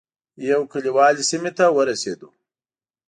یو کلیوالي سیمې ته ورسېدو.